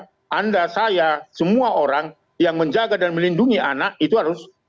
jadi setiap kita anda saya semua orang yang menjaga dan melindungi anak itu harus kita ketahui